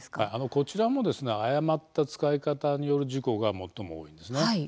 こちらも誤った使い方による事故が最も多いんですね。